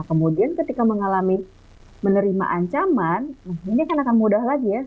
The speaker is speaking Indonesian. kemudian ketika mengalami menerima ancaman ini akan mudah lagi ya